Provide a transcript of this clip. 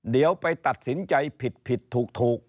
เดี๋ยวไปตัดสินใจผิดผิดถูก